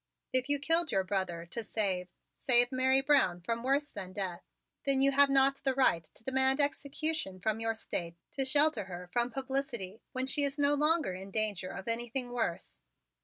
"If you killed your brother to save save Mary Brown from worse than death, then you have not the right to demand execution from your State to shelter her from publicity when she is no longer in danger of anything worse.